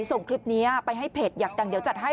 ส่งคลิปนี้ไปให้เพจอยากดังเดี๋ยวจัดให้